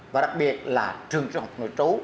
và đặc biệt là trường truyền học nội trú